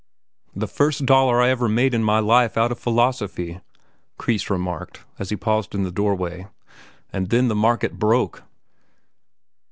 "The first dollar I ever made in my life out of my philosophy," Kreis remarked, as he paused in the doorway. "And then the market broke."